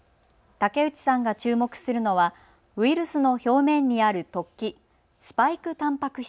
竹内さんが注目するのはウイルスの表面にある突起、スパイクたんぱく質。